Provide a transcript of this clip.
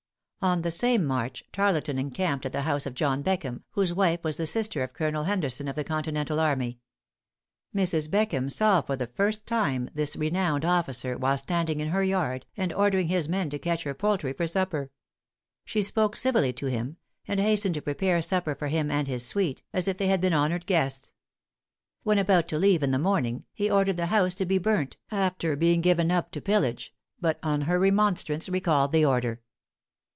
On the same march, Tarleton encamped at the house of John Beckham, whose wife was the sister of Colonel Henderson of the continental army. Mrs. Beckham saw for the first time this renowned officer while standing in her yard, and ordering his men to catch her poultry for supper. She spoke civilly to him, and hastened to prepare supper for him and his suite, as if they had been honored guests. When about to leave in the morning, he ordered the house to be burnt, after being given up to pillage, but on her remonstrance, recalled the order.